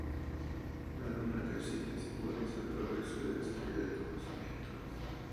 La luna creciente simboliza el progreso y la estrella el conocimiento.